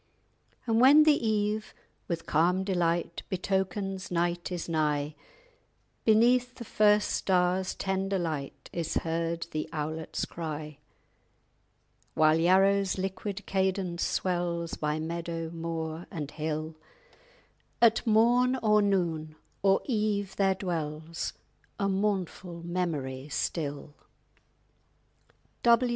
_ And when the eve, with calm delight, Betokens night is nigh, Beneath the first star's tender light Is heard the owlet's cry. While Yarrow's liquid cadence swells By meadow, moor, and hill, At morn or noon or eve there dwells _A mournful memory still.